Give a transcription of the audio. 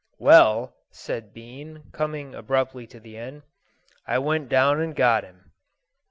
"Well," said Bean, coming abruptly to the end, "I went down and got him."